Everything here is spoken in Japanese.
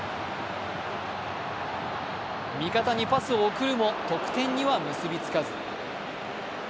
味方にパスを送るも、得点には結びつかず。